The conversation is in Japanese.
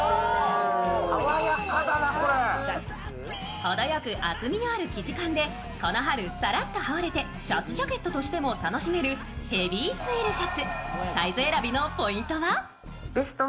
程良く厚みのある生地感でこの春さらっと羽織れてシャツジャケットとしても楽しめるヘビーツイルシャツ。